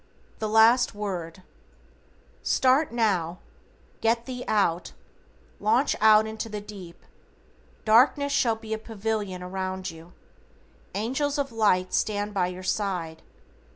=THE LAST WORD=: Start now. "Get thee out." "Launch out into the deep." Darkness shall be a pavilion around you. Angels of Light stand by your side.